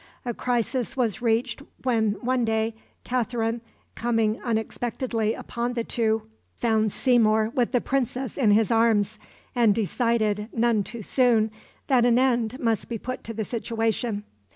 A crisis was reached when one day Katherine, coming unexpectedly upon the two, found Seymour with the Princess in his arms, and decided, none too soon, that an end must be put to the situation.